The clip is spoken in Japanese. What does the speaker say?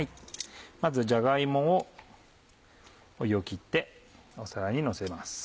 まずじゃが芋を湯を切って皿にのせます。